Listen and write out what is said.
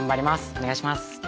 お願いします！